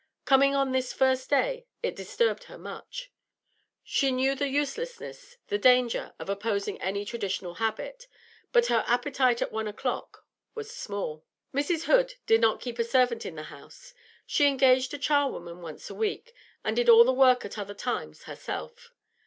Coming on this first day, it disturbed her much. She knew the uselessness, the danger, of opposing any traditional habit, but her appetite at one o'clock was small. Mrs. Hood did not keep a servant in the house; she engaged a charwoman once a week, and did all the work at other times herself.